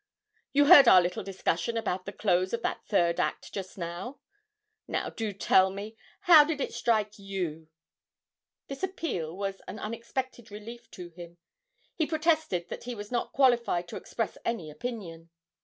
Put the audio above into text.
'You heard our little discussion about the close of that third act, just now? Now do tell me, how did it strike you?' This appeal was an unexpected relief to him; he protested that he was not qualified to express any opinion.